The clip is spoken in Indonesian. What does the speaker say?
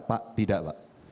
pak tidak wak